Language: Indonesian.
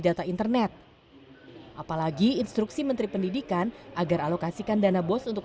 data internet apalagi instruksi menteri pendidikan agar alokasikan dana bos untuk